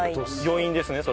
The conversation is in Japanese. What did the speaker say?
余韻です